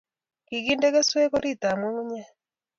Kiginde keswek orotitab ngungunyek